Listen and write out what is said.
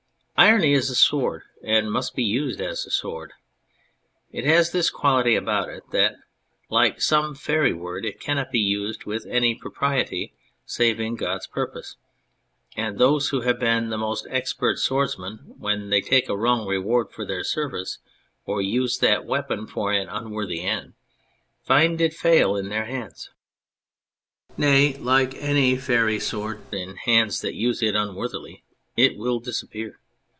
Irony is a sword, and must be used as a sword. It has this quality about it, that, like some faery sword, it cannot be used with any propi'iety save in God's purpose ; and those who have been the most expert swordsmen, when they take a wrong reward for their service, or use that weapon for an unworthy end, find it fail in their hands. Nay, like any faery sword, in hands that use it unworthily it will disappear.